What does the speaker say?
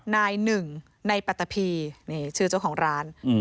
นายหนึ่งในปัตตะพีนี่ชื่อเจ้าของร้าน